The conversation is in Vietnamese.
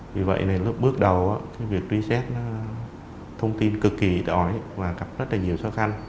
vì vậy lúc bước đầu việc truy xếp thông tin cực kỳ đổi và gặp rất nhiều so khăn